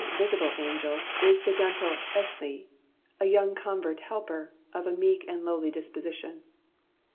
"] Chellalu's visible angel is the gentle Esli, a young convert helper, of a meek and lowly disposition.